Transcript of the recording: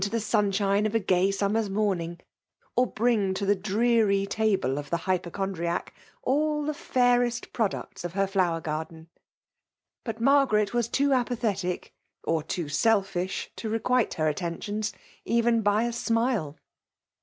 155 the sunsliiiie of a gay summer^s mornings or bring to the dreary table of the hjrpochondriac all the fairest products of her flower garden. But Margaret was too apathetic, or too selfish, to requite her attentions, even by a smile.